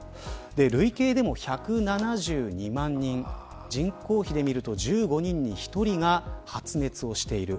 累計でも１７２万人人口比でみると１５人に１人が発熱をしている。